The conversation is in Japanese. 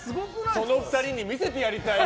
その２人に見せてやりたいよ